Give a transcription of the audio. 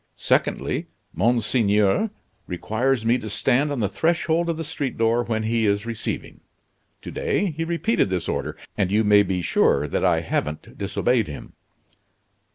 Secondly, Monseigneur requires me to stand on the threshold of the street door when he is receiving. To day he repeated this order, and you may be sure that I haven't disobeyed him."